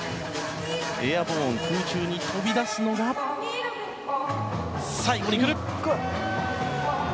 エアボーン空中に飛び出すのが最後に来た。